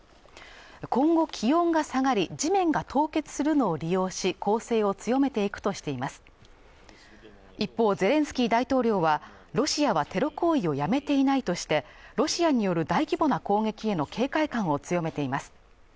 今後気温が下がり地面が凍結するのを利用し攻勢を強めていくとしています一方ゼレンスキー大統領はロシアはテロ行為をやめていないとしてロシアによる大規模な攻撃への警戒感を強めています